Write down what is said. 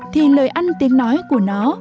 thì lời ăn tiếng nói của nó